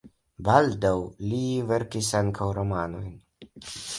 Baldaŭ li verkis ankaŭ romanojn.